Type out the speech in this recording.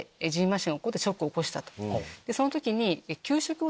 その時に。